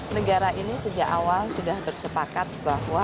negara ini sejak awal sudah bersepakat bahwa